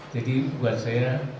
jadi buat saya